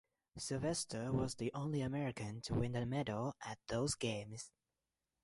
Sylvester was the only American to win a medal at those games.